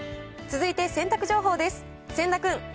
続いて洗濯情報です。